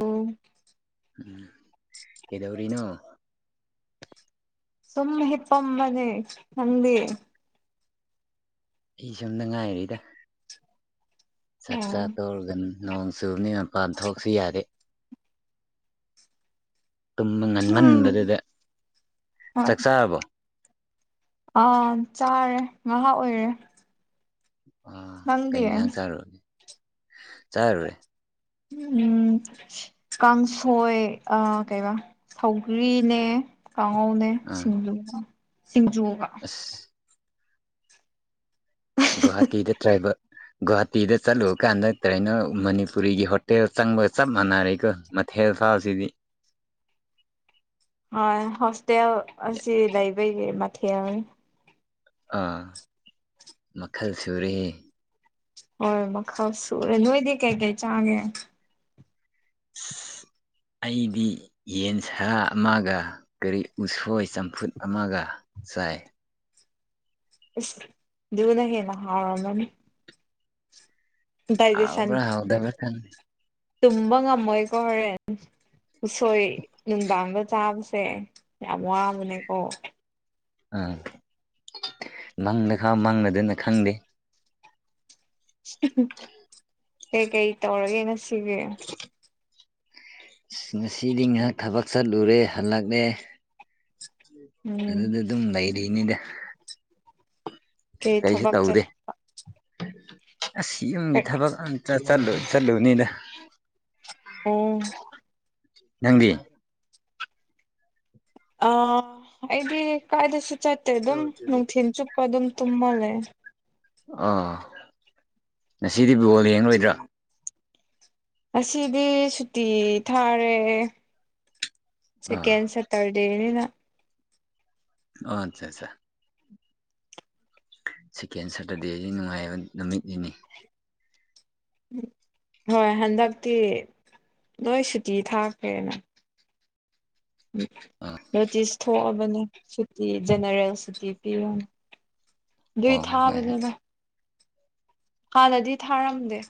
ꯎꯝ꯫ ꯎꯝ ꯀꯩꯗꯧꯔꯤꯅꯣ꯫ ꯁꯨꯝ ꯍꯤꯞꯄꯥꯝꯕꯅꯦ ꯅꯪꯗꯤ꯫ ꯑꯩ ꯁꯨꯝꯗ ꯉꯥꯏꯔꯤꯗ ꯑꯣ ꯆꯥꯛꯆꯥꯥ ꯇꯧꯔꯒꯅ꯫ ꯅꯣꯡ ꯆꯨꯕꯅꯤꯅ ꯃꯄꯥꯟ ꯊꯣꯛꯁꯨ ꯌꯥꯔꯦ꯫ ꯇꯨꯝꯕ ꯎꯝ ꯉꯟꯃꯟꯕꯗꯨꯗ ꯍꯣꯏ ꯆꯥꯛꯆꯥꯥꯕꯣ꯫ ꯑꯥ ꯆꯥꯔꯦ ꯉꯥꯏꯍꯥꯛ ꯑꯣꯏꯔꯦ꯫ ꯑ ꯅꯪꯗꯤ ꯀꯩ ꯌꯦꯟꯁꯥꯡ ꯆꯥꯔꯨꯔꯒꯦ ꯆꯥꯔꯨꯔꯦ꯫ ꯎꯝ꯫ ꯀꯥꯡꯁꯣꯏ ꯑ ꯀꯩ ꯊꯧꯒ꯭ꯔꯤꯅꯦ__ ꯀꯥꯡꯉꯧꯅꯦ ꯑꯥ ꯁꯤꯡꯖꯨꯒ ꯁꯤꯡꯖꯨꯒ꯫ ꯑꯁ ꯒꯨꯍꯥꯇꯤꯗ ꯇ꯭ꯔꯥꯏꯕ꯫ ꯒꯨꯍꯥꯇꯤꯗ ꯆꯠꯂꯨ ꯀꯥꯟꯗ ꯀꯔꯤꯦꯅꯣ ꯃꯅꯤꯄꯨꯔꯤꯒꯤ ꯍꯣꯇꯦꯜ ꯆꯪꯕꯒ ꯆꯞ ꯃꯥꯟꯅꯔꯦꯀꯣ꯫ ꯊꯦꯠ ꯊꯥꯁꯤꯗꯤ꯫ ꯍꯣꯏ ꯍꯣꯁꯇꯦꯜ ꯑꯁꯤ ꯂꯩꯕꯩꯒꯤ ꯃꯊꯦꯜꯅꯤ ꯥ ꯃꯈꯜ ꯁꯔꯤ꯫ ꯍꯣꯏ ꯃꯈꯜ ꯁꯨꯔꯦ ꯅꯣꯏꯗꯤ ꯀꯩ ꯀꯩ ꯆꯥꯒꯦ꯫ ꯑꯩꯗꯤ__ ꯌꯦꯟ ꯁꯥ ꯑꯃꯒ ꯀꯔꯤ ꯎꯁꯣꯏ ꯆꯝꯐꯨꯠ ꯑꯃꯒ ꯆꯥꯏ꯫ ꯏꯁ ꯗꯨꯅ ꯍꯦꯅ ꯍꯥꯎꯔꯝꯃꯅꯤ꯫ ꯍꯥꯎꯕ꯭ꯔ ꯍꯧꯇꯕꯔꯥ ꯈꯪꯗꯦ꯫ ꯇꯝꯕ ꯉꯃꯣꯏ ꯀꯣ ꯍꯣꯔꯦꯟ꯫ ꯎꯁꯣꯏ ꯅꯨꯡꯕꯥꯡꯕ ꯆꯥꯕꯁꯦ ꯌꯥꯝ ꯋꯥꯕꯅꯦꯀꯣ꯫ ꯑꯥ ꯃꯪꯗ ꯈꯥꯎ ꯃꯪꯅꯗꯅ ꯈꯪꯗꯦ꯫ ꯀꯩꯀꯩ ꯇꯧꯔꯒꯦꯅ ꯁꯤꯒꯦ꯫ ꯑ ꯉꯁꯤꯗꯤ ꯉꯥꯏꯍꯥꯛ ꯊꯕꯛ ꯆꯠꯂꯨꯔꯦ ꯍꯜꯂꯛꯂꯦ꯫ ꯎꯝ ꯑꯗꯨꯗꯤ ꯑꯗꯨꯝ ꯂꯩꯔꯤꯅꯤꯗ꯫ ꯀꯩ ꯀꯩꯁꯨ ꯊꯕꯛ ꯆꯠ ꯇꯧꯗꯦ ꯑꯁ ꯌꯨꯝꯒꯤ ꯊꯕꯛ__ ꯆ ꯆꯠꯂꯨ ꯆꯠꯂꯨ ꯍꯅꯤꯗ ꯑꯣ ꯅꯪꯗꯤ ꯑ ꯑꯩꯗꯤ ꯀꯥꯏꯗꯁꯨ ꯆꯠꯇꯦ ꯑꯗꯨꯝ ꯅꯨꯡꯊꯤꯜ ꯆꯨꯞꯄ ꯑꯗꯨꯝ ꯇꯨꯝꯃꯜꯂꯦ ꯑꯥ ꯉꯁꯤꯗꯤ ꯕꯣꯜ ꯌꯦꯡꯂꯡꯂꯣꯏꯗ꯭ꯔꯥ ꯑꯁꯤꯗꯤ ꯁꯨꯇꯤ ꯊꯥꯔꯦ ꯁꯦꯀꯦꯟ ꯑꯥ ꯇꯗꯅꯤꯅ ꯑꯣ ꯑꯠꯆꯥ ꯑꯆꯥ ꯁꯤꯦꯀꯦꯟ ꯁꯇꯔꯗꯦꯁꯤ ꯅꯨꯡꯉꯥꯏꯕ ꯅꯨꯃꯤꯠꯅꯤꯅꯤ ꯍꯣꯏ ꯍꯟꯗꯛꯇꯤ ꯂꯣꯏ ꯁꯨꯇꯤ ꯊꯥꯈ꯭ꯔꯦꯅ ꯑꯥ ꯎ ꯅꯣꯇꯤꯁ ꯊꯣꯛꯑꯒ ꯨꯤ ꯖꯦꯔꯦꯜ ꯁꯨꯤ ꯄꯤꯔꯅꯦ ꯑꯗꯨꯏ ꯑꯣ ꯍꯣꯏ ꯍꯣꯏ ꯊꯥꯕꯅꯤꯅ ꯍꯥꯟꯅꯗꯤ ꯊꯥꯔꯝꯗꯦ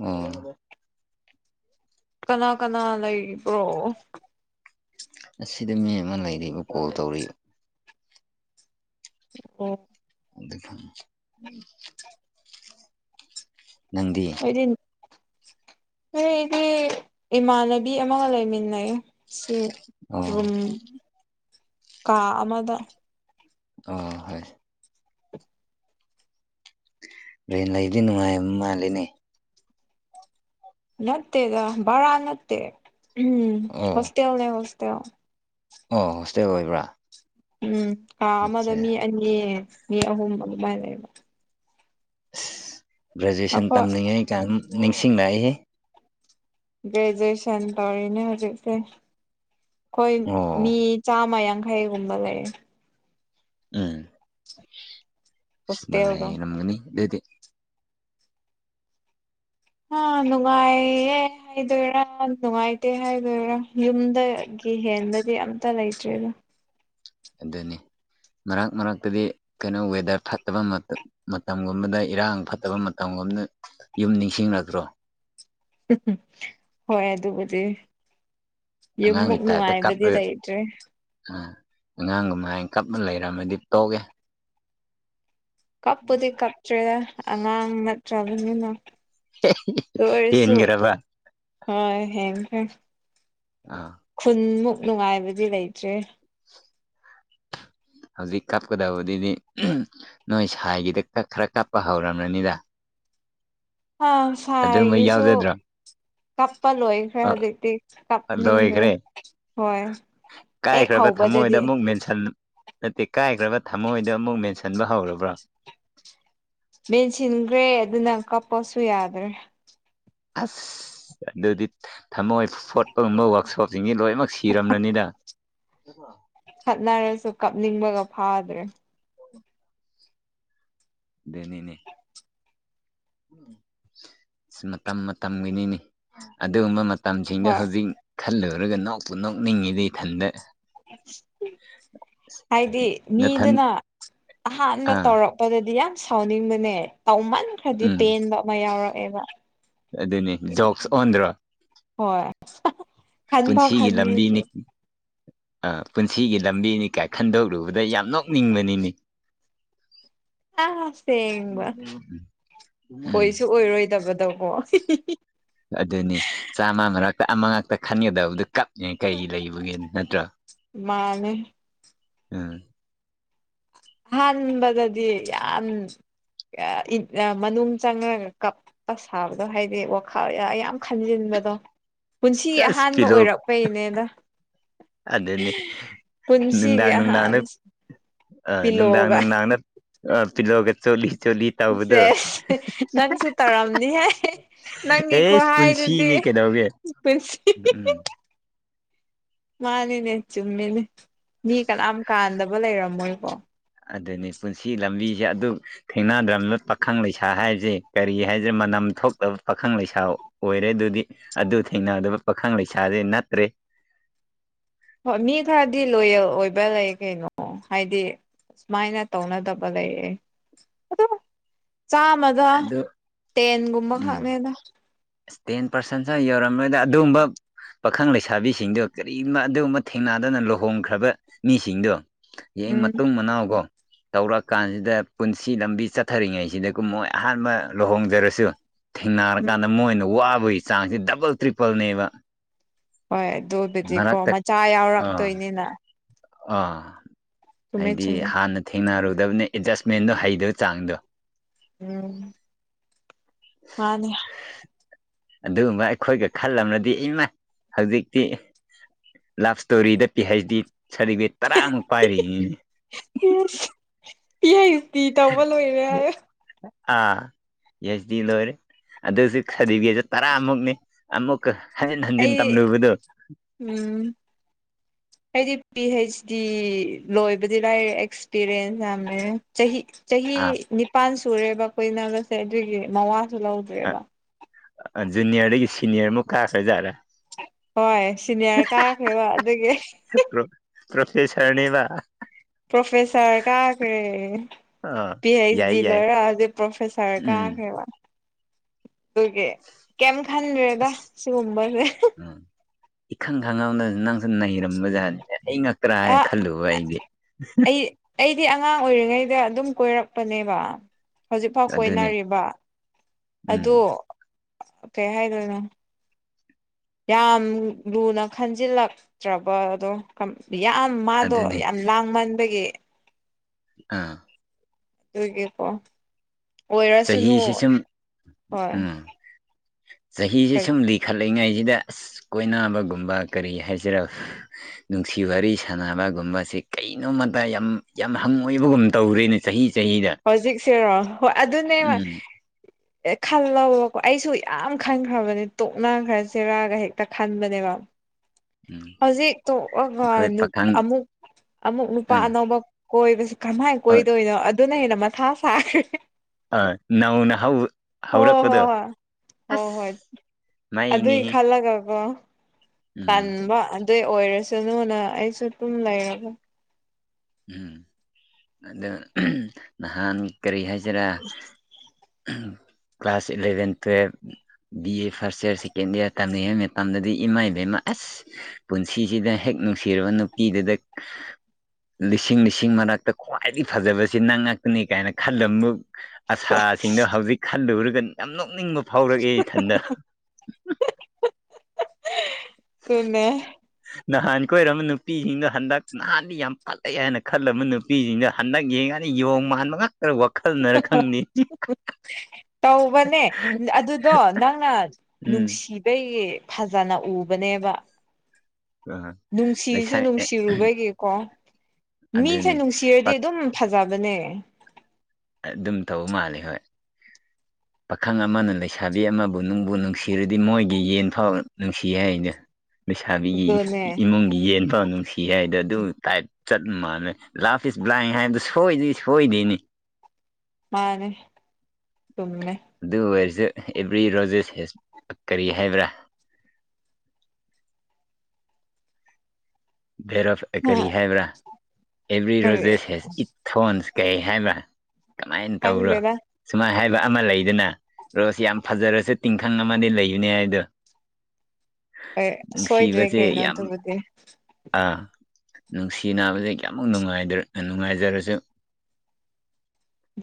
ꯑ ꯀꯅꯥ ꯀꯅꯥ ꯂꯩꯕ꯭ꯔꯣ ꯑꯁꯤꯗ ꯃꯤ ꯑꯃ ꯂꯩꯔꯤꯕ ꯀꯣꯜ ꯇꯧꯔꯛꯏ ꯑꯣ ꯗ ꯐ ꯎꯝ ꯅꯪꯗꯤ ꯑꯩꯗꯤ ꯍꯣꯏ ꯑꯩꯗꯤ ꯏꯃꯥꯟꯅꯕꯤ ꯑꯃꯒ ꯂꯩꯃꯤꯟꯅꯩ ꯑꯣ ꯁꯤꯦꯝ ꯀꯥ ꯑꯃꯗ ꯑ ꯍꯣꯏ ꯦꯟ ꯂ ꯂꯩꯗꯅ ꯃꯥꯥꯏ ꯃꯥꯂꯤꯅꯦ ꯅꯠꯇꯦꯗ ꯕꯔ ꯅꯠꯇꯦ ꯎꯝ ꯑꯣ ꯍꯣꯁꯇꯦꯜꯅꯦ ꯍꯣꯁꯇꯦꯜ ꯑꯣ ꯍꯣꯁꯇꯦꯜ ꯑꯣꯏꯕ꯭ꯔꯥ ꯎꯝ ꯀꯥ ꯑꯃꯗ ꯑꯠꯆꯥ ꯃꯤ ꯑꯅꯤ ꯃꯤ ꯑꯍꯨꯝ ꯑꯗꯨꯃꯥꯏꯅ ꯂꯩꯕ ꯑꯁ ꯒ꯭ꯔꯦꯖꯨꯑꯦꯁꯟ ꯑꯩꯈꯣꯏ ꯇꯝꯂꯤꯉꯩ ꯀ ꯅꯤꯡꯁꯤꯡꯅꯛꯏ ꯒ꯭ꯔꯦꯖꯨꯑꯦꯁꯟ ꯇꯧꯔꯤꯅꯦ ꯍꯧꯖꯤꯛꯁꯦ ꯑꯩꯈꯣꯏ ꯑꯣ ꯃꯤ ꯆꯥꯝꯃ ꯌꯥꯡꯈꯩꯒꯨꯝꯕ ꯂꯩꯌꯦꯦ ꯎꯝ ꯁꯥꯏ ꯍꯣꯁꯇꯦꯜꯗꯣ ꯅꯝꯒꯅꯤ ꯑꯗꯨꯗꯤ ꯑ ꯂꯅꯨꯡꯉꯥꯏꯌꯦꯦ ꯍꯥꯏꯗꯣꯏꯔꯥ ꯅꯨꯡꯉꯥꯏꯇꯦ ꯍꯥꯏꯗꯣꯏꯔꯥ ꯌꯨꯝꯗꯒꯤ ꯍꯦꯟꯗꯗꯤ ꯑꯝꯇ ꯂꯩꯇ꯭ꯔꯦꯗ ꯑꯗꯨꯅꯤ ꯃꯔꯛ ꯃꯔꯛꯇꯨꯗꯤ ꯀꯩꯅꯣ ꯋꯦꯗꯔ ꯐꯠꯇꯕ ꯃꯇꯝꯒꯨꯝꯕꯗ ꯏꯔꯥꯡ ꯐꯠꯇꯕ ꯃꯇꯝꯒꯨꯝꯕꯅ ꯌꯨꯝ ꯅꯤꯡꯁꯤꯡꯂꯛꯇ꯭ꯔꯣ ꯍꯣꯏ ꯑꯗꯨꯕꯨꯗꯤ ꯌꯃꯛ ꯅꯅꯨꯡꯥꯏꯕꯗꯤꯔ ꯑꯩꯇ꯭ꯔꯤ ꯎ ꯑꯉꯥꯡꯒ ꯃꯥꯏꯅ ꯀꯞꯅ ꯂꯩꯔꯝꯃꯗꯤ ꯇꯣꯛꯑꯦ ꯀꯞꯄꯨꯗꯤ ꯀꯞꯇ꯭ꯔꯦꯗ ꯑꯉꯥꯡ ꯅꯠꯇ꯭ꯔꯕꯅꯤꯅ ꯇꯔꯁꯨ ꯍꯦꯟꯈ꯭ꯔꯕ ꯍ ꯍ ꯍ ꯑꯥ ꯈꯨꯟꯃꯨꯛ ꯅꯨꯡꯉꯥꯏꯕꯗꯤ ꯂꯩꯇ꯭ꯔꯦ ꯍꯧꯖꯤꯛ ꯀꯥꯞꯀꯗꯕꯗꯨꯗꯤ ꯅꯣꯏ ꯁꯥꯏꯒꯤꯗ ꯀꯛ ꯈꯔ ꯀꯥꯞꯄ ꯍꯧꯔꯕ꯭ꯔꯅꯤꯗ ꯑ ꯑꯗꯨꯃ ꯐꯥꯏꯦꯁꯨꯣ ꯌꯥꯎꯖꯗ꯭ꯔꯣ ꯀꯥꯄ ꯂꯣꯏꯈ꯭ꯔꯦ ꯍꯧꯖꯤꯛꯇꯤ ꯑ ꯀꯞꯅꯤꯡꯗ꯭ꯔꯦ ꯂꯣꯏꯈ꯭ꯔꯦ ꯍꯣꯏ ꯍꯦꯛ ꯀꯥꯏꯈ꯭ꯔꯕ ꯊꯃꯣꯏꯗ ꯍꯧꯕꯗꯗꯤ ꯑꯃꯨꯛ ꯃꯦꯟꯁꯟ ꯅꯠꯇꯦ ꯀꯥꯏꯈ꯭ꯔꯕ ꯊꯝꯃꯣꯏꯗꯣ ꯑꯃꯨꯛ ꯃꯦꯟꯁꯤꯟꯕ ꯍꯧꯔꯕ꯭ꯔꯣ ꯃꯦꯟꯁꯤꯟꯈ꯭ꯔꯦ ꯑꯗꯨꯅ ꯀꯞꯄꯁꯨ ꯌꯥꯗ꯭ꯔꯦ ꯑꯁ ꯑꯗꯨꯗꯤ ꯊꯝꯃꯣꯏ ꯐꯣꯇꯣꯒꯨꯝꯕ ꯋꯥꯛꯁꯣꯞꯁꯤꯡꯁꯤ ꯂꯣꯏꯅꯃꯛ ꯁꯤꯔꯝ꯭ꯔꯅꯤꯅ [inaudible] ꯈꯠꯅꯔꯁꯨ ꯀꯞꯅꯤꯡꯕꯒ ꯐꯥꯗ꯭ꯔꯦ ꯗꯩꯅꯤꯅꯦ ꯃꯇꯝ ꯃꯇꯝꯒꯤꯅꯤꯅꯤ ꯑꯗꯨꯒꯨꯝꯕ ꯃꯇꯝꯁꯤꯡꯗ ꯍꯣꯏ ꯍꯧꯖꯤꯛ ꯈꯜꯂꯨꯔꯒ ꯅꯣꯛꯄꯨ ꯅꯣꯛꯅꯤꯡꯉꯤꯗ ꯏꯊꯟꯗ ꯍꯥꯏꯗꯤ ꯅꯊꯟ ꯃꯤꯗꯨꯅ ꯑꯍꯥꯟꯕ ꯑꯥ ꯇꯧꯔꯛ ꯄꯗꯗꯤ ꯌꯥꯝ ꯁꯥꯎꯅꯤꯡꯕꯅꯦ ꯇꯥꯎꯃꯟ ꯈꯔꯗꯤ ꯎꯝ ꯄꯦꯟꯕ ꯑꯃ ꯌꯥꯎꯔꯛꯑꯦꯕ ꯑꯗꯨꯅꯤ ꯖꯣꯛꯁ ꯑꯣꯟꯗ꯭ꯔꯣ ꯍꯣꯏ ꯈꯟꯐꯥꯎ ꯄꯨꯟꯁꯤꯒꯤ ꯈꯟꯕꯤꯗ꯭ꯔꯦ ꯂꯝꯕꯤꯅꯤ ꯑ ꯄꯨꯟꯁꯤꯒꯤ ꯂꯝꯕꯤꯅꯤ ꯀꯥꯏ ꯈꯟꯗꯣꯛꯂꯨꯕꯗ ꯌꯥꯝ ꯅꯣꯛꯅꯤꯡꯕꯅꯤꯅꯦ ꯑꯁꯦꯡꯕ ꯎꯝ ꯑꯣꯏꯁꯨ ꯑꯣꯏꯔꯣꯏꯗꯕꯗꯀꯣ ꯑꯗꯨꯅꯤ ꯆꯥꯝꯃ ꯃꯔꯛꯇ ꯑꯃ ꯉꯥꯛꯇ ꯈꯟꯒꯗꯕꯗ ꯀꯞ ꯑꯦ ꯀꯩꯒꯤ ꯂꯩꯕꯒꯦ ꯅꯠꯇꯔꯥ ꯃꯥꯅꯦ ꯑꯥ ꯑꯍꯥꯟꯕꯗꯗꯤ ꯌꯥꯝ ꯃꯅꯨꯡ ꯆꯪꯉꯒ ꯀꯞ ꯑꯁ ꯁꯥꯕꯗꯣ ꯍꯥꯏꯗꯤ ꯋꯥꯈꯜ ꯌꯥꯝ ꯈꯟꯖꯤꯟꯕꯗꯣ ꯄꯨꯟꯁꯤꯒꯤ ꯆꯁ ꯑꯍꯥꯟꯕ ꯄꯤꯂꯣ ꯑꯣꯏꯔꯛꯄꯩꯅꯦꯗ ꯑꯗꯨꯅꯤ ꯄꯨꯟꯁꯤꯒꯤ ꯅꯨꯡꯗꯥꯡ ꯑꯍꯥꯟ ꯅꯨꯡꯗꯥꯡꯗꯥ ꯑ ꯅꯨꯡꯗꯥꯡ ꯄꯤꯂꯣꯒ ꯅꯨꯡꯗꯥꯡꯗ ꯑ ꯄꯤꯜꯂꯣꯒ ꯆꯣꯂꯤ ꯆꯣꯂꯤ ꯁꯦꯁ ꯅꯪꯁꯨ ꯇꯧꯔꯝꯅꯤ ꯍꯦ ꯅꯪꯒꯤ ꯑꯦꯁ ꯈꯨꯍꯥꯏꯗꯨꯗꯤ ꯄꯨꯟꯁꯤꯅꯤ ꯀꯩꯗꯧꯒꯦ ꯄꯩꯏꯁꯤ ꯎꯝ ꯃꯥꯅꯤꯅꯦ ꯆꯨꯝꯃꯤꯅꯦ ꯃꯤ ꯀꯅꯥꯝ ꯀꯥꯟꯗꯕ ꯂꯩꯔꯝꯃꯣꯏꯀꯣ ꯑꯗꯨꯅꯤ ꯄꯨꯟꯁꯤ ꯂꯝꯕꯤꯁꯦ ꯑꯗꯨꯝ ꯊꯦꯡꯅꯗ꯭ꯔꯕ ꯄꯥꯈꯪ ꯂꯩꯁꯥ ꯍꯥꯏꯁꯦ ꯀꯔꯤ ꯍꯥꯏꯁꯤ ꯃꯅꯝ ꯊꯣꯛꯇꯕ ꯄꯥꯈꯪ ꯂꯩꯁꯥ ꯑꯣꯏꯔꯦ ꯑꯗꯨꯗꯤ ꯑꯗꯨ ꯊꯦꯡꯅꯗꯕ ꯄꯥꯈꯪ ꯂꯩꯁꯥꯗꯤ ꯅꯠꯇ꯭ꯔꯦ ꯍꯣꯏ ꯃꯤ ꯈꯔꯗꯤ ꯂꯣꯌꯦꯜ ꯑꯣꯏꯕ ꯂꯩ ꯀꯩꯅꯣ ꯍꯥꯏꯗꯤ ꯁꯨꯃꯥꯏꯅ ꯇꯧꯅꯗꯕ ꯂꯩꯌꯦ ꯑꯗꯨꯕꯨ ꯆꯥꯝꯃ ꯗ ꯑꯗꯨ ꯇꯦꯟꯒꯨꯝꯕ ꯎꯝ ꯈꯛꯅꯦꯗ ꯑꯁ ꯇꯦꯟ ꯄꯥꯔꯁꯦꯟꯁꯨ ꯌꯧꯔꯝꯃꫭꯏꯗ ꯑꯗꯨꯝꯕꯥꯛ ꯄꯥꯈꯪ ꯂꯩꯁꯥꯕꯤꯁꯤꯡꯗꯣ ꯀꯔꯤꯒꯨꯝꯕ ꯑꯗꯨꯒꯨꯝꯕ ꯊꯦꯡꯅꯗꯅ ꯂꯨꯍꯣꯡꯈ꯭ꯔꯕ ꯃꯤꯁꯤꯡꯗꯣ ꯌꯦꯡ ꯎꯝ ꯃꯇꯨꯡ ꯃꯅꯥꯎꯒꯣ ꯇꯧꯔ ꯀꯥꯟꯁꯤꯗ ꯄꯨꯟꯁꯤ ꯂꯝꯕꯤ ꯆꯠꯊꯔꯤꯉꯩꯁꯤꯗꯒ ꯃꯣꯏ ꯑꯍꯥꯟꯕ ꯂꯨꯍꯣꯡꯖꯔꯁꯨ ꯎꯝ ꯊꯦꯡꯅꯔꯀꯥꯟꯗ ꯃꯣꯏꯅ ꯋꯥꯕꯒꯤ ꯆꯥꯡꯁꯦ ꯗꯕꯜ ꯇ꯭ꯔꯤꯄꯜꯅꯦꯕ ꯍꯣꯏ ꯑꯗꯨꯕꯨꯗꯤꯀꯣ ꯃꯔꯛꯇ ꯃꯆꯥ ꯑꯥ ꯌꯥꯎꯔꯛꯇꯣꯏꯅꯤꯅ ꯑꯥ ꯆꯨꯝꯃꯦ ꯍꯥꯏꯗꯤ ꯆꯨꯝꯃꯦ ꯍꯥꯟꯅ ꯊꯦꯡꯅꯔꯨꯗꯕꯅꯦ ꯑꯦꯠꯖꯁꯃꯦꯟꯗꯣ ꯍꯩꯗꯕ ꯆꯥꯡꯗꯣ ꯎꯝ ꯃꯥꯅꯦ ꯑꯗꯨꯒꯨꯝꯕ ꯑꯩꯈꯣꯏꯒ ꯈꯜꯂꯝꯃꯗꯤ ꯏꯃꯥꯏ ꯍꯧꯖꯤꯛꯇꯤ ꯂꯞ ꯏꯁꯇꯣꯔꯤꯗ ꯄꯤ ꯍꯩꯆ ꯗꯤ ꯁꯥꯔꯇꯤꯐꯤꯀꯦꯠ ꯇꯔꯥꯃꯨꯛ ꯄꯥꯏꯔꯤꯅꯤꯅꯦ ꯌꯦꯁꯠ ꯄꯤ ꯍꯩꯆ ꯗꯤ ꯇꯧꯕ ꯂꯣꯏꯔꯦ ꯍꯥꯢꯌꫭ ꯑꯥ ꯄꯤ ꯍꯩꯆ ꯗꯤ ꯂꯣꯏꯔꯦ ꯑꯗꯨꯁꯨ ꯁꯗꯤꯕꯤꯀꯦꯠꯁꯨ ꯇꯔꯥ ꯃꯨꯛꯅꯤ ꯑꯃꯨꯛꯀ ꯍꯟꯖꯤꯟ ꯍꯟꯖꯤꯟ ꯑꯩ ꯇꯝꯂꯨꯕꯗꯨ ꯎꯝ ꯑꯩꯗꯤ ꯄꯤ ꯍꯩꯆ ꯗꯤ ꯂꯣꯏꯕꯗꯤ ꯂꯥꯏꯔꯦ ꯑꯦꯁ ꯑꯦꯁꯄꯤꯔꯦꯟꯁ ꯌꯥꯝ ꯂꯩꯌꯦ ꯆꯍꯤ ꯆꯍꯤ ꯑꯥ ꯅꯤꯄꯥꯟ ꯁꯨꯔꯦꯕ ꯀꯣꯏꯅꯕꯁꯦ ꯑꯗꯨꯒꯤ ꯃꯋꯥꯁꯨ ꯂꯧꯗ꯭ꯔꯦꯕ ꯖꯨꯅꯤꯌꯔꯗꯒꯤ ꯁꯤꯅꯤꯌꯔꯃꯨꯛ ꯀꯥꯈ꯭ꯔ ꯖꯥꯠꯔꯥ ꯍꯣꯏ ꯁꯤꯅꯤꯌꯥꯔ ꯀꯥꯈ꯭ꯔꯦꯕ ꯑꯗꯨꯒꯤ ꯆꯤꯛꯄꯔꯣ ꯄ꯭ꯔꯣꯐꯦꯁꯔꯅꯦꯕ ꯄ꯭ꯔꯣꯐꯦꯁꯔ ꯀꯥꯈ꯭ꯔꯦ ꯑꯥ ꯄꯤ ꯍꯩꯆ ꯌꯥꯏ ꯗꯤ ꯌꯥꯏ ꯂꯣꯏꯔꯛꯑꯗꯤ ꯄ꯭ꯔꯣꯐꯦꯁꯔ ꯎꯝ ꯀꯥꯈ꯭ꯔꯦꯕ ꯑꯗꯨꯒꯤ ꯀꯩꯝ ꯈꯟꯗ꯭ꯔꯦꯗ ꯑꯁ ꯁꯤꯒꯨꯝꯕꯁꯦ ꯎꯝ ꯏꯈꯪ ꯈꯪꯍꯧꯗꯁꯨ ꯅꯪꯁꯨ ꯅꯩꯔꯝꯕ ꯖꯥꯠꯅꯤꯅꯦ ꯑꯩ ꯉꯛꯇ꯭ꯔꯥ ꯑ ꯍꯥꯏ ꯈꯜꯂꯨꯕ ꯑꯩꯗꯤ ꯑꯩ ꯑꯩꯗꯤ ꯑꯉꯥꯡ ꯑꯣꯏꯔꯤꯉꯩꯗ ꯑꯗꯨꯝ ꯀꯣꯏꯔꯛꯄꯅꯦꯕ ꯍꯧꯖꯤꯛꯐꯥꯎ ꯑꯗꯨꯅꯤ ꯀꯣꯏꯅꯔꯤꯕ ꯎꯝ ꯑꯗꯣ ꯀꯩ ꯍꯥꯏꯗꯣꯏꯅꯣ ꯌꯥꯝ ꯂꯨꯅ ꯈꯟꯖꯤꯜꯂꯛꯇ꯭ꯔꯕꯗꯣ꯫ ꯌꯥꯝ ꯃꯥꯗꯣ ꯑꯗꯨꯅꯤ ꯌꯥꯝ ꯂꯥꯡꯃꯟꯕꯒꯤ꯫ ꯑꯥ ꯑꯗꯨꯏꯒꯤꯀꯣ ꯑꯣꯏꯔꯁꯅꯨ ꯆꯍꯤꯁꯤ ꯍꯣꯏ ꯆꯍꯤꯍꯤꯁꯦ ꯁꯂꯤ ꯏꯈꯠꯂꯛꯂꯤꯉꯩꯁꯤꯗ ꯑꯁ ꯀꯣꯏꯅꯕꯒꯨꯝꯕ ꯀꯔꯤ ꯍꯥꯏꯁꯤꯔ ꯅꯨꯡꯁꯤ ꯋꯥꯔꯤ ꯁꯥꯟꯅꯕꯒꯨꯝꯕꯁꯦ ꯀꯩꯅꯣꯝꯃꯇ ꯌꯥꯝ ꯌꯥꯝ ꯍꯪ ꯑꯣꯏꯕꯒꯨꯝ ꯇꯧꯔꯦꯅꯦ꯫ ꯆꯍꯤ ꯆꯍꯤꯗ ꯍꯧꯖꯤꯛꯁꯤꯦꯔꯣ ꯍꯣꯏ ꯑꯗꯨꯅꯦꯕ ꯎꯝ ꯑꯦ ꯈꯜꯂꯕꯀꯣ ꯑꯩꯁꯨ ꯌꯥꯝ ꯈꯟꯈ꯭ꯔꯕꯅꯦ ꯇꯣꯛ ꯟꯈ꯭ꯔ ꯆꯦꯔꯥꯒ ꯍꯦꯛ ꯈꯥꯟ ꯃꯅꯦꯕ ꯎꯝ ꯍꯧꯖꯤ ꯑꯩꯈꯣꯏ ꯄꯥꯈꯪ ꯑꯃꯨꯛ ꯑꯃꯨꯛ ꯅꯨꯄꯥ ꯎꯝ ꯑꯅꯧꯕ ꯀꯣꯏꯕꯁꯨ ꯀꯃꯥꯏꯅ ꯀꯣꯏꯗꯣꯏꯅꯣ ꯑꯗꯨꯅ ꯍꯦꯟꯅ ꯃꯊꯥ ꯁꯥꯈ꯭ꯔꯦ꯫ ꯑ ꯅꯑꯣꯅ ꯍꯧꯥꯎ꯭ꯔꯄꯗꯣ ꯍꯣ ꯍꯣꯏ ꯑꯗꯨꯏ ꯃꯩꯅꯤꯍꯦ ꯈꯜꯂꯒꯀꯣ ꯎꯝ ꯇꯟꯕ ꯑꯗꯨꯏ ꯑꯣꯏꯔꯁꯅꯨꯅ ꯑꯩꯁꯨ ꯑꯗꯨꯝ ꯂꯩꯔꯒ ꯎꯝ ꯑꯗ ꯅꯍꯥꯟ ꯀꯔꯤ ꯍꯥꯏꯁꯤꯔꯥ ꯀ꯭ꯂꯥꯁ ꯏꯂꯦꯚꯦꯟ ꯇꯨꯋꯦꯜꯕ B A first year second year ꯇꯝꯂꯤꯉꯩ ꯃꯇꯝꯗꯗꯤ ꯏꯃꯥ ꯏꯕꯦꯝꯃ ꯑꯁ ꯄꯨꯟꯁꯤꯁꯤꯗ ꯍꯦꯛ ꯅꯨꯡꯁꯤꯔꯕ ꯅꯨꯄꯤꯗꯨꯗ ꯂꯤꯁꯤꯡ ꯂꯤꯁꯤꯡ ꯃꯔꯛꯇ ꯈ꯭ꯋꯥꯏꯗꯒꯤ ꯐꯖꯕꯁꯤ ꯅꯪ ꯉꯥꯛꯇꯅꯤ ꯀꯥꯏꯅ ꯈꯜꯂꯝꯕ ꯑꯁꯥꯁꯤꯡꯅ ꯍꯧꯖꯤꯛ ꯈꯜꯂꯨꯔꯒ ꯌꯥꯝ ꯅꯣꯛꯅꯤꯡꯕ ꯐꯥꯎꯔꯛꯑꯦ ꯏꯊꯟꯗ ꯇꯨꯅ ꯅꯍꯥꯟ ꯀꯣꯏꯔꯝꯕ ꯅꯨꯄꯤꯁꯤꯡꯗ ꯍꯟꯗꯛ ꯅꯍꯥꯟꯗꯤ ꯌꯥꯝ ꯐꯠꯂꯛꯑꯦ ꯍꯥꯏꯅ ꯈꯜꯂꯝꯕ ꯅꯨꯄꯤꯁꯤꯡꯗ ꯍꯟꯗꯛ ꯌꯦꯡꯉꯥꯟꯅꯤ ꯌꯣꯡ ꯃꯥꯟꯕ ꯉꯥꯛꯇꯔ ꯋꯥꯈꯜꯅꯔ ꯈꯪꯗꯦ꯫ ꯇꯧꯕꯅꯦ ꯑꯗꯨꯗꯣ ꯅꯪꯅ ꯎꯝ ꯅꯨꯡꯁꯤ ꯑꯩꯩ ꯐꯖꯅ ꯎꯕꯅꯦꯕ ꯑ ꯂꯩꯁꯥ ꯅꯨꯡꯁꯤꯁꯨ ꯑꯦ ꯅꯨꯡꯁꯤꯔꯨꯕꯒꯤꯀꯣ ꯃꯤꯁꯦ ꯑꯗꯨꯅꯤ ꯅꯨꯡꯁꯤꯔꯗꯤ ꯄꯛ ꯑꯗꯨꯝ ꯐꯖꯕꯅꯦ꯫ ꯑꯗꯨꯝ ꯇꯧꯕ ꯃꯥꯜꯜꯂꯤ ꯍꯣꯏ ꯄꯥꯈꯪ ꯑꯃꯅ ꯂꯩꯁꯥꯕꯤ ꯑꯃꯕꯨ ꯅꯨꯡꯕꯨ ꯅꯨꯡꯁꯤꯔꯗꯤ ꯃꯣꯏꯒꯤ ꯌꯦꯟ ꯐꯥꯎ ꯅꯨꯡꯁꯤ ꯍꯥꯏ ꯍꯥꯏꯗꯨ ꯂꯩꯁꯥꯕꯤꯒꯤ ꯑꯗꯨꯅꯦ ꯏꯃꯨꯡꯒꯤ ꯌꯦꯟ ꯅꯨꯡꯁꯤ ꯍꯥꯏꯗꯣ ꯑꯗꯨ ꯇꯥꯏꯞ ꯆꯠ ꯃꯥꯜꯂꯦ ꯂꯥꯐ ꯏꯁ ꯕ꯭ꯂꯥꯏꯟ ꯍꯥꯏꯕꯗ ꯁꯣꯏꯗꯣꯏ ꯁꯣꯏꯗꯣꯏꯅꯤ꯫ ꯃꯥꯅꯦ ꯁꯨꯃꯃꯦ꯫ ꯑꯗꯨ ꯑꯣꯏꯔꯁꯨ ꯑꯦꯕ꯭ꯔꯤ ꯔꯣꯖꯦꯁ ꯍꯁ ꯀꯔꯤ ꯍꯥꯏꯕ꯭ꯔꯥ ꯕꯦꯔꯐ ꯑꯦ ꯀꯔꯤ ꯍꯥꯏꯕ꯭ꯔꯥ ꯑꯦꯕ꯭ꯔꯤ ꯀꯔꯤ ꯔꯣꯖꯦꯁ ꯍꯦꯁ ꯏꯊꯣꯟꯁ ꯀꯩ ꯍꯥꯏꯕ꯭ꯔꯥ ꯀꯃꯥꯏꯅ ꯇꯧꯔꯣ ꯈꯪꯗꯦꯗ ꯁꯨꯃꯥꯏ ꯍꯥꯏꯕ ꯑꯃ ꯂꯩꯗꯅ ꯔꯣꯁꯤ ꯌꯥꯝ ꯐꯖꯔꯁꯦ ꯇꯤꯡꯈꯪ ꯑꯃꯗꯤ ꯂꯩꯕꯅꯦ ꯍꯥꯏꯗꯣ ꯍꯣꯏ ꯁꯣꯏꯗ꯭ꯔꯦ ꯅꯨꯡꯁꯤꯕꯁꯦ ꯀꯩꯅꯣ ꯌꯥꯝ ꯑꯗꯨꯕꯨꯗꯤ꯫ ꯑꯥ ꯅꯨꯡꯁꯤ ꯅꯥꯕꯁꯦ ꯀꯌꯥꯃꯨꯛ ꯅꯨꯡꯉꯥꯏꯖꯔꯁꯨ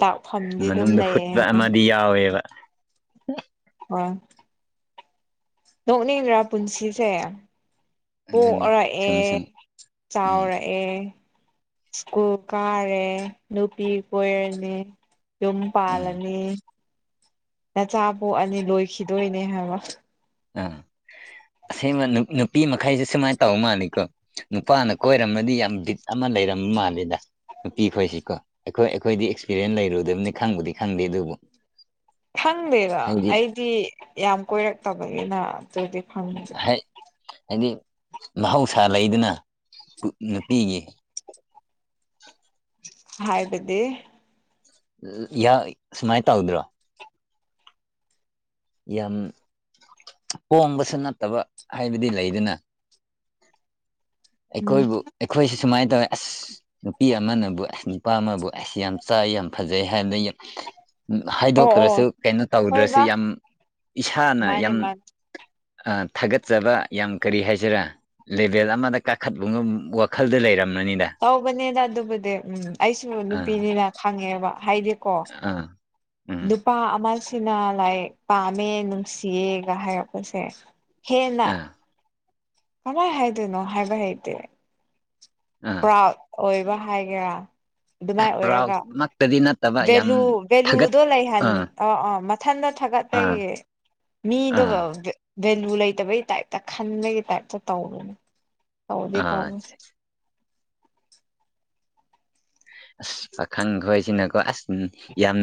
ꯗꯥꯛꯐꯝꯗꯤ ꯑꯗꯨꯝ ꯃꯅꯨꯡꯗ ꯂꯩꯌꯦ ꯍꯨꯠꯄ ꯑꯃꯗꯤ ꯌꯥꯎꯋꯦꯕ꯫ ꯍꯣꯏ ꯅꯣꯛꯅꯤꯡꯗ꯭ꯔꯥ ꯄꯨꯟꯁꯤꯁꯦ ꯑꯗꯨꯅꯤ ꯄꯣꯛꯔꯛꯑꯦ ꯁꯨꯝ ꯁꯨꯝ ꯎꯝ ꯆꯥꯎꯔꯛ ꯑꯦ ꯁ꯭ꯀꯨꯜ ꯀꯥꯔꯦ ꯅꯨꯄꯤ ꯀꯣꯏꯔꯅꯤ꯫ ꯌꯨꯝ ꯎꯝ ꯄꯥꯜꯂꯅꯤ ꯅꯆꯥ ꯄꯣꯛꯑꯅꯤ ꯂꯣꯏꯈꯤꯗꯣꯏꯅꯦ ꯍꯥꯏꯕ ꯑꯥ ꯑꯁꯦꯡꯕ ꯅꯨꯄꯤ ꯃꯈꯩꯁꯦ ꯁꯨꯃꯥꯏꯅ ꯇꯧ ꯃꯥꯜꯂꯤꯀꯣ ꯅꯨꯄꯥꯅ ꯀꯣꯏꯔꯝꯃꯗꯤ ꯌꯥꯝ ꯗꯤꯠ ꯑꯃ ꯂꯩꯔꯝꯕ ꯃꯥꯜꯂꯦꯗ ꯅꯨꯄꯤ ꯈꯣꯏꯁꯤꯀꯣ ꯑꯩꯈꯣꯏ ꯑꯩꯈꯣꯏꯗꯤ ꯑꯦꯛꯁꯄꯤꯔꯤꯌꯦꯦꯟꯁ ꯂꯩꯔꯨꯗꯕꯅꯤ ꯈꯪꯕꯨꯗꯤ ꯈꯪꯗꯦ ꯑꯗꯨꯕꯨ ꯈꯪꯗꯦꯗ ꯍꯥꯏꯗꯤ ꯑꯩꯗꯤ ꯌꯥꯝ ꯀꯣꯏꯔꯛꯇꯕꯅꯤꯅ ꯑꯗꯨꯗꯤ ꯈꯪꯗꯦ꯫ ꯍꯥꯏꯗꯤ ꯃꯍꯧꯁꯥ ꯂꯩꯗꯅ ꯅꯨꯄꯤꯒꯤ [unintelligible] ꯍꯥꯏꯕꯗꯤ ꯁꯨꯃꯥꯏꯅ ꯇꯧꯗ꯭ꯔꯣ ꯌꯥꯝ ꯄꯣꯝꯕꯁꯨ ꯅꯠꯇꯕ ꯍꯥꯏꯕꯗꯤ ꯂꯩꯗꯨꯅ ꯎꯝ ꯑꯩꯈꯣꯏꯕꯨ ꯑꯩꯈꯣꯏꯁꯤ ꯁꯨꯃꯥꯏꯅ ꯇꯧꯋꯦ ꯑꯁ ꯅꯨꯄꯤ ꯑꯃꯅꯕꯨ ꯑꯁ ꯅꯨꯄꯥ ꯑꯃꯕꯨ ꯑꯩꯁ ꯌꯥꯝ ꯆꯥꯏ ꯌꯥꯝ ꯐꯖꯩ ꯍꯥꯏꯅ ꯑꯣ ꯍꯥꯏꯗꯣꯛꯇ꯭ꯔꯁꯨ ꯑꯣ ꯀꯩꯅꯣ ꯇꯧꯗ꯭ꯔꯁꯨ ꯍꯣꯏꯗ ꯌꯥꯝ ꯏꯁꯥꯅ ꯃꯥꯅꯦ ꯌꯥꯝ ꯃꯥꯅꯦ ꯊꯥꯒꯠꯆꯕ ꯌꯥꯝ ꯀꯔꯤ ꯍꯥꯏꯁꯤꯔꯥ ꯂꯦꯚꯦꯜ ꯑꯃꯗ ꯀꯥꯈꯠꯄꯅ ꯋꯥꯈꯜꯗ ꯂꯩꯔꯝꯅꯅꯤꯗ ꯇꯧꯕꯅꯤꯅ ꯑꯗꯨꯕꯨꯗꯤ ꯎꯝ ꯑꯩꯁꯨ ꯑꯥ ꯅꯨꯄꯤꯅꯤꯅ ꯈꯪꯉꯦꯕ ꯍꯥꯏꯗꯤ ꯀ ꯑꯥ ꯎꯝ ꯏꯄꯥ ꯑꯃꯁꯤꯅ ꯂꯥꯏꯛ ꯄꯥꯝꯃꯦ ꯅꯨꯡꯁꯤꯌꯦꯒ ꯍꯥꯏꯔꯛꯄꯁꯦ ꯍꯦꯟꯅ ꯑꯥ ꯀꯃꯥꯏ ꯍꯥꯏꯗꯣꯏꯅꯣ ꯍꯥꯏꯕ ꯍꯩꯇꯦ ꯑꯥ ꯑꯣꯏꯕ ꯍꯥꯏꯒꯦꯔꯥ ꯑꯗꯨꯃꯥꯏ ꯑꯣꯏꯔꯒ ꯄ꯭ꯔꯥꯎꯃꯛꯇꯗꯤ ꯅꯠꯇꯕ ꯌꯥꯝ ꯚꯦꯂꯨ ꯊꯥꯒꯠ ꯚꯦꯂꯨꯗꯣ ꯂꯩꯍꯟ ꯑꯥ ꯑꯣ ꯑꯥ ꯃꯊꯟꯗꯣ ꯑꯥ ꯊꯥꯒꯠꯄꯒꯤ ꯑꯥ ꯃꯤꯗꯨꯣ ꯚꯦꯂꯨ ꯂꯩꯇꯕꯒꯤ ꯇꯥꯏꯞꯇ ꯈꯟꯕꯒꯤ ꯇꯥꯏꯞꯇ ꯇꯧꯔꯅꯦ ꯇꯧꯗꯤ ꯑꯥ ꯇꯧꯔꯦ ꯑꯁ ꯄꯥꯈꯪꯈꯣꯏꯁꯤꯅꯀꯣ ꯑꯁ ꯌꯥꯝꯅ